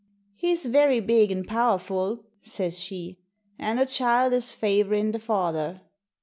'He's very big an' powerful,' says she. 'An' the child is favourin' the father.'